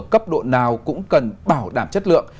cấp độ nào cũng cần bảo đảm chất lượng